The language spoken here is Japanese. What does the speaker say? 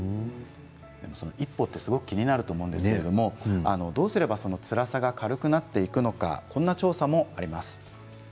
その一歩が気になると思いますがどうすればつらさが軽くなっていくのかこんな調査があります。